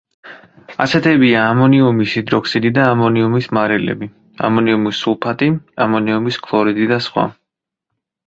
ასეთებია ამონიუმის ჰიდროქსიდი და ამონიუმის მარილები: ამონიუმის სულფატი, ამონიუმის ქლორიდი და სხვა.